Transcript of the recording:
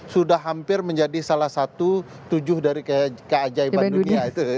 sudah hampir menjadi salah satu tujuh dari keajaiban dunia itu